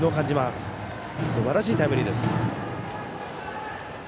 すばらしいタイムリーです。